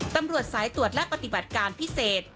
ตำรวจสายตรวจและปฏิบัติการพิเศษ